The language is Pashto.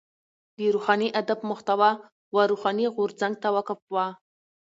د روښاني ادب محتوا و روښاني غورځنګ ته وقف وه.